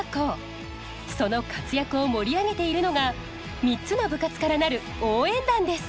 その活躍を盛り上げているのが３つの部活からなる応援団です。